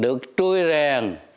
được trui rèn